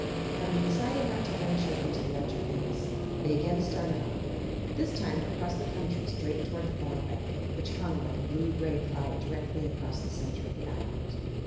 Having decided not to venture into the Arch of Phinis they again started on, this time across the country straight toward the Fog Bank, which hung like a blue gray cloud directly across the center of the island.